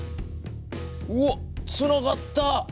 うわっつながった！